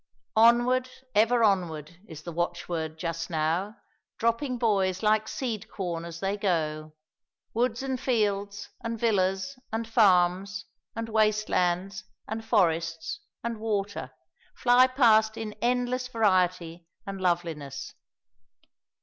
Onward, ever onward, is the watchword just now dropping boys like seed corn as they go! Woods and fields, and villas, and farms, and waste lands, and forests, and water, fly past in endless variety and loveliness.